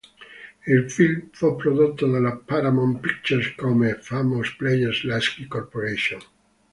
Il film fu prodotto dalla Paramount Pictures come Famous Players-Lasky Corporation.